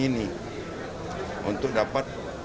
ini untuk dapat